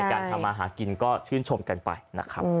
ทำมาหากินก็ชื่นชมกันไปนะครับ